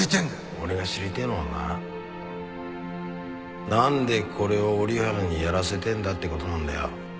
俺が知りてえのはななんでこれを折原にやらせてんだって事なんだよ。